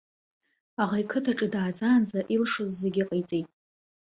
Аӷа иқыҭаҿы дааӡаанӡа, илшоз зегьы ҟаиҵеит.